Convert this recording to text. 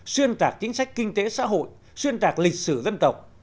xuyên tạc chính sách kinh tế xã hội xuyên tạc lịch sử dân tộc